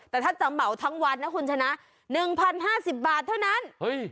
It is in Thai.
แต่ถ้าเตำเบาทั้งวันนะคุณฉะนั้น๑๐๕๐บาทเท่านั้น